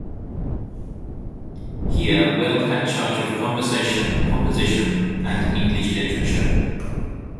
Here, Weld had charge of Conversation, Composition, and English Literature.